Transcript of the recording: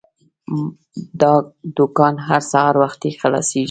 دا دوکان هر سهار وختي خلاصیږي.